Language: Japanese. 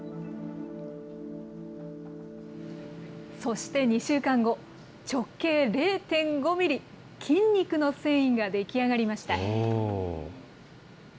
そして２週間後、直径０．５ミリ、筋肉の繊維が出来上がりました。